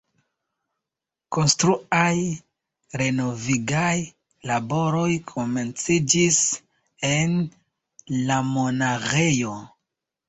Konstruaj renovigaj laboroj komenciĝis en lamonaĥejo.